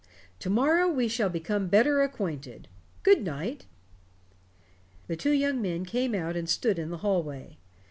To morrow we shall become better acquainted. Good night." The two young men came out and stood in the hallway. Mr.